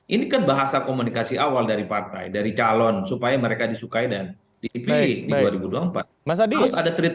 ini kan bahasa komunikasi awal dari partai dari calon supaya mereka disukai dan dipilih di dua ribu dua puluh empat